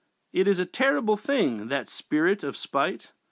It is a terrible thing that spirit of spite!